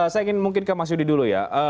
saya ingin mungkin ke mas yudi dulu ya